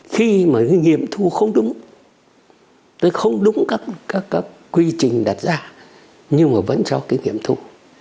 khi mà cái nghiệm thu không đúng tức không đúng các quy trình đặt ra nhưng mà vẫn cho cái nghiệm thu